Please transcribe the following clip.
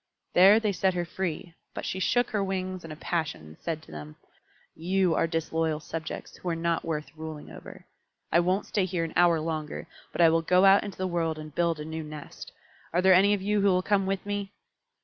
There they set her free, but she shook her wings in a passion and said to them, "You are disloyal subjects, who are not worth ruling over. I won't stay here an hour longer, but I will go out into the world and build a new nest. Are there any of you who will come with me?"